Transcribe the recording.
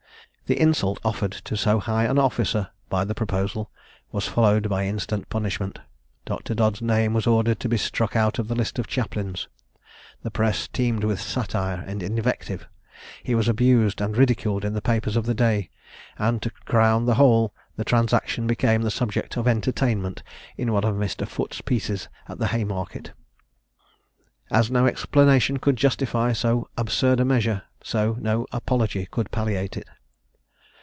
The insult offered to so high an officer by the proposal was followed by instant punishment. Dr. Dodd's name was ordered to be struck out of the list of chaplains. The press teemed with satire and invective; he was abused and ridiculed in the papers of the day; and to crown the whole, the transaction became a subject of entertainment in one of Mr. Foote's pieces at the Haymarket. As no explanation could justify so absurd a measure, so no apology could palliate it.